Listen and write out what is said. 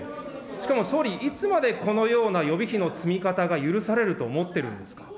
しかも総理、いつまでこのような予備費の積み方が許されると思ってるんですか。